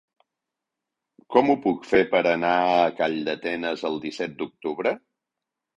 Com ho puc fer per anar a Calldetenes el disset d'octubre?